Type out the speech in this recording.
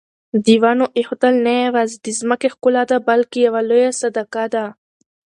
د ونو ایښودل نه یوازې د ځمکې ښکلا ده بلکې یوه لویه صدقه ده.